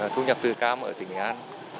thu nhập từ cam ở tỉnh nghệ an